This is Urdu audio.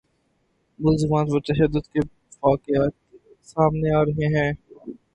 ملزمان پر تشدد کے واقعات سامنے آ رہے ہیں